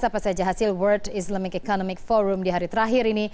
apa saja hasil world islamic economic forum di hari terakhir ini